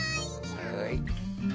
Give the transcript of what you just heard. はい。